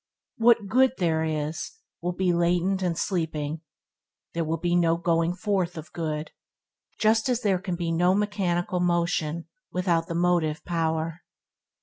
What good there is, will be latent and sleeping; there will be no going forth of good, just as there can be no mechanical motion without the motive power.